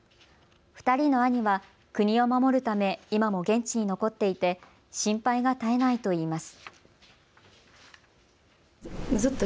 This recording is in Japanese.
２人の兄は国を守るため今も現地に残っていて心配が絶えないといいます。